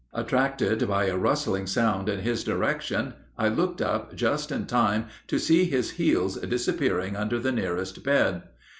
Attracted by a rustling sound in his direction, I looked up just in time to see his heels disappearing under the nearest bed.